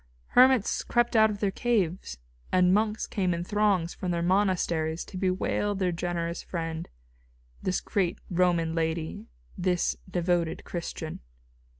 Hermits crept out of their caves, and monks came in throngs from their monasteries to bewail their generous friend, this great Roman lady, this devoted Christian.